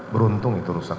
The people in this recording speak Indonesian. beruntung itu rusak